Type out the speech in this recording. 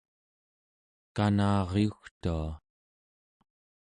kana'aryugtua